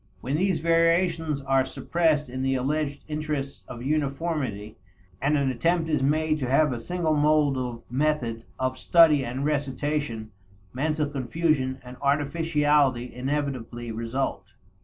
When these variations are suppressed in the alleged interests of uniformity, and an attempt is made to have a single mold of method of study and recitation, mental confusion and artificiality inevitably result.